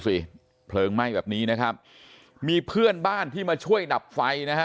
เพลิงไหม้แบบนี้นะครับมีเพื่อนบ้านที่มาช่วยดับไฟนะฮะ